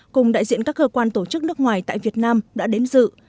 cùng đại diện các cơ quan tổ chức nước ngoài tại việt nam đã đến dự